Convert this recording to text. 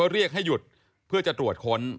เรียกให้หยุดเพื่อจะตรวจค้น